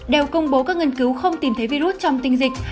đều công bố các nghiên cứu không tìm thấy virus trong tinh dịch